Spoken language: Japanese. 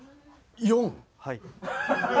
４？はい。